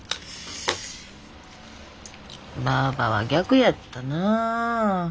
ばあばは逆やったなあ。